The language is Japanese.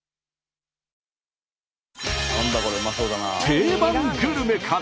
定番グルメから。